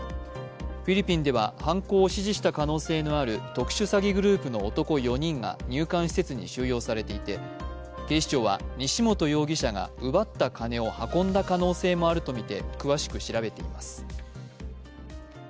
フィリピンでは犯行を指示した可能性のある特殊詐欺グループの男４人が入管施設に収容されていて警視庁は西本容疑者が奪った金を運んだ可能性もあるとみて詳しく調べています。